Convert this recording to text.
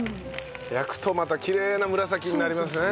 焼くとまたきれいな紫になりますね。